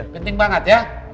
penting banget ya